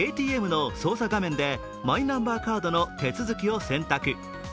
ＡＴＭの操作画面で、マイナンバーカードの手続きを選択。